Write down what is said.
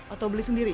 atau beli sendiri